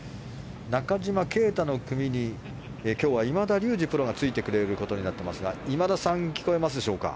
中島啓太の組に今日は、今田竜二プロがついてくれることになってますが今田さん聞こえますでしょうか。